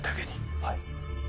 はい。